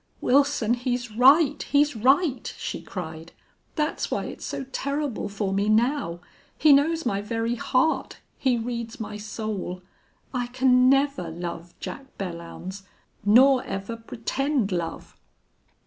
"Wilson, he's right, he's right!" she cried. "That's why it's so terrible for me now. He knows my very heart. He reads my soul.... I can never love Jack Belllounds. Nor ever pretend love!"